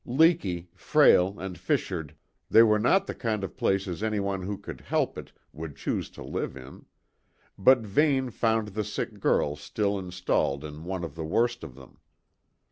Leaky, frail, and fissured, they were not the kind of places any one who could help it would choose to live in; but Vane found the sick girl still installed in one of the worst of them.